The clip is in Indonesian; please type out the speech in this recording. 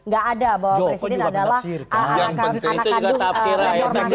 gak ada bahwa presiden adalah anak kandung reformasi